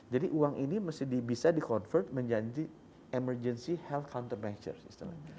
jadi uang ini bisa di convert menjadi emergency health countermeasure